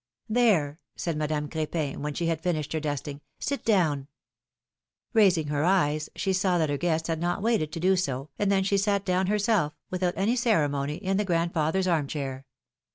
There !" said Madame Cr^pin, when she had finished her dusting, ^^sit down !" Raising her eyes, she saw that her guests had not waited to do so, and then she sat down herself, without any cere mony, in the grandfather's arm chair.